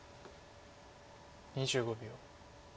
２５秒。